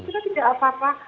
tapi tidak apa apa